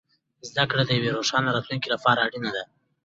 زده کړه د یوې روښانه راتلونکې لپاره اړینه ده.